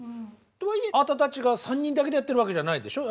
とはいえあんたたちが３人だけでやってるわけじゃないでしょ？